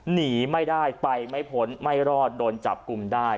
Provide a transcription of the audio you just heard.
หนีไม่ได้ไปไม่พ้นไม่รอดโดนจับกลุ่มได้